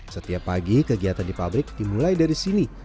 setiap pagi kegiatan di pabrik dimulai dari sini